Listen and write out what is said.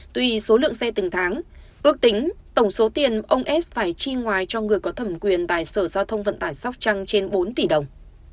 tùy số lượng xe từng tháng ước tính tổng số tiền ông s phải chi ngoài cho người có thẩm quyền tại sở giao thông vận tải sóc trăng trên bốn tỷ đồng